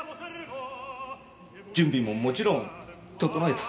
準備ももちろん整えた。